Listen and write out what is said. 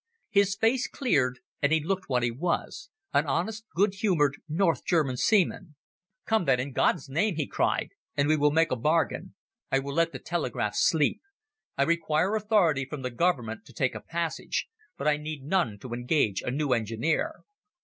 His face cleared, and he looked what he was, an honest, good humoured North German seaman. "Come then in God's name," he cried, "and we will make a bargain. I will let the telegraph sleep. I require authority from the Government to take a passenger, but I need none to engage a new engineer."